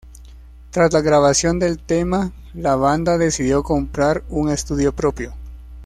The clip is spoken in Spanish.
Tras la grabación del tema la banda decidió comprar un estudio propio.